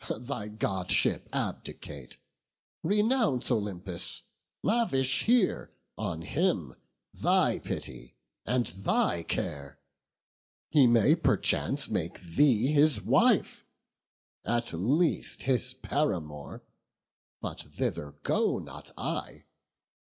thy godship abdicate! Renounce Olympus! lavish here on him Thy pity and thy care! he may perchance Make thee his wife—at least his paramour! But thither go not I!